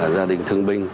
gia đình thương binh